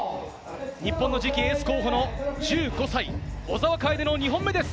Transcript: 日本の次期エース候補の１５歳、小澤楓の２本目です。